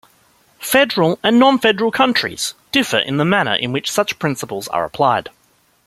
Federal and non-federal countries differ in the manner in which such principles are applied.